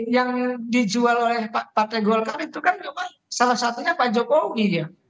yang dijual oleh partai golkar itu kan memang salah satunya pak jokowi ya